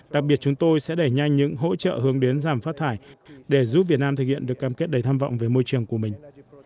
đặc biệt chúng tôi sẽ đẩy nhanh những hỗ trợ hướng đến giảm phát thải để giúp việt nam thực hiện được cam kết đầy tham vọng về môi trường của mình